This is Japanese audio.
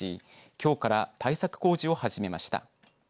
きょうから対策工事を始めました。